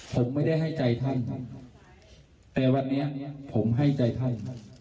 ผมไม่ได้ให้ใจท่านท่านแต่วันนี้ผมให้ใจท่านท่าน